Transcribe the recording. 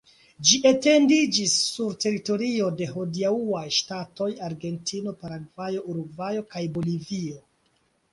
Ĝi etendiĝis sur teritorio de hodiaŭaj ŝtatoj Argentino, Paragvajo, Urugvajo kaj Bolivio.